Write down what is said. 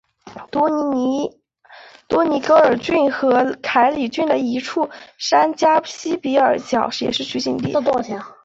多尼戈尔郡和凯里郡的一处山岬西比尔角也是取景地。